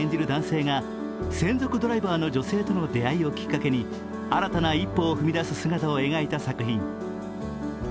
男性が専属ドライバーの女性との出会いをきっかけに新たな一歩を踏み出す姿を描いた作品。